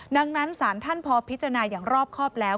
ดังนั้นศาลท่านพอพิจารณาอย่างรอบครอบแล้ว